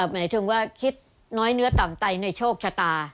หมายถึงว่าคิดน้อยเนื้อต่ำใจในโชคชะตา